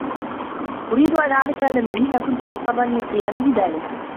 أريد أن أعرف لم كنت مضطرّا للقيام بذلك.